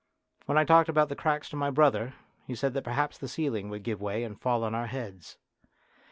When I talked about the cracks to my brother he said that perhaps the ceiling would give way and fall on our heads.